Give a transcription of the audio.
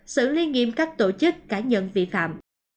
xử lý nghiêm các tổ chức cá nhân vi phạm